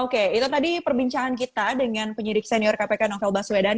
oke itu tadi perbincangan kita dengan penyidik senior kpk novel baswedan